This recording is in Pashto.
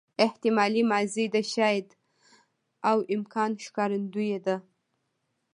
احتمالي ماضي د شاید او امکان ښکارندوی ده.